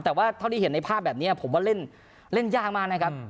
แต่ว่าเท่าที่เห็นในภาพแบบนี้ผมว่าเล่นยากมากนะครับ